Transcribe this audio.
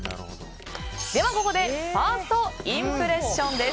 ではここでファーストインプレッションです。